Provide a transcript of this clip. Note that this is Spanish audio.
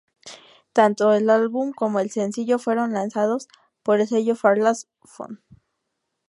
Tanto el álbum como el sencillo fueron lanzados por el sello Parlophone.